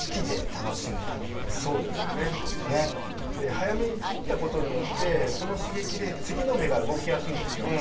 早めに切ったことによってその刺激で次の芽が動きやすいんですよ。